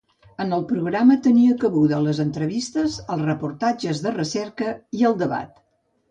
En el programa tenien cabuda les entrevistes, els reportatges de recerca i el debat.